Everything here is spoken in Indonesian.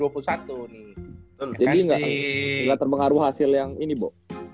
ga terpengaruh hasil yang ini bo